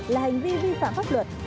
là hành vi vi phạm pháp luật